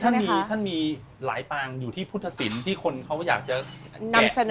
จริงท่านมีหลายปางอยู่ที่พุทธศิลป์ที่คนเขาอยากจะแกะ